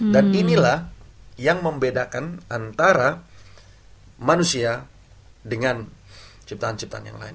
dan inilah yang membedakan antara manusia dengan ciptaan ciptaan yang lain